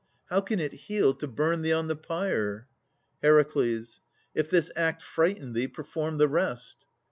How can it heal to burn thee on the pyre? HER. If this act frighten thee, perform the rest.